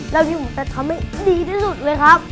แล้วที่ผมจะทำให้ดีที่สุดเลยครับ